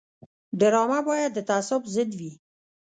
ډرامه باید د تعصب ضد وي